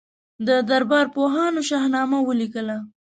د دربار پوهانو شاهنامه ولیکله.